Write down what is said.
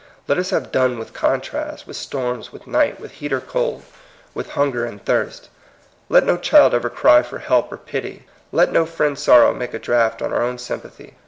Let us have done with con trasts, with storms, with night, with heat or cold, with hunger and thirst. Let no child ever cry for help or pity. Let no friend^s sorrow make a draught on our sym pathy.